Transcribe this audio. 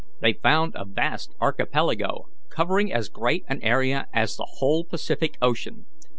They found a vast archipelago covering as great an area as the whole Pacific Ocean.